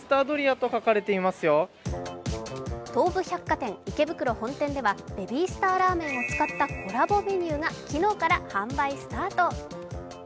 東武百貨店池袋本店ではベビースターラーメンを使ったコラボメニューが昨日から販売スタート。